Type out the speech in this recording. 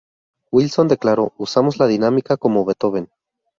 Wilson declaró: "Usamos la dinámica como Beethoven.